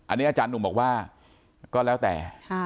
อันนี้อาจารย์หนุ่มบอกว่าก็แล้วแต่